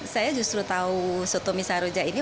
saya justru tahu sotomi saroja ini